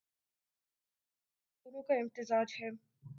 مثالی صورت تو دونوں کا امتزاج ہے۔